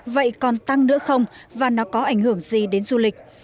vậy còn tăng nữa không và nó có ảnh hưởng gì đến du lịch